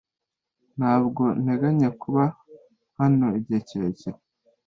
ntabwo nteganya kuba hano igihe kirekire